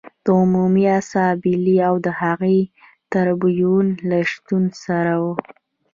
د عمومي اسامبلې او د هغې د ټربیون له شتون سره و